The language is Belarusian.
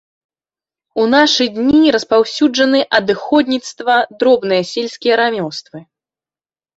У нашы дні распаўсюджаны адыходніцтва, дробныя сельскія рамёствы.